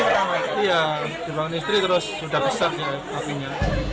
yang di bangkang istri terus udah besar ya apinya